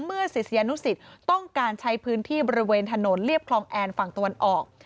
ศิษยานุสิตต้องการใช้พื้นที่บริเวณถนนเรียบคลองแอนฝั่งตะวันออก